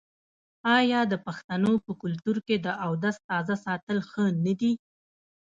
آیا د پښتنو په کلتور کې د اودس تازه ساتل ښه نه دي؟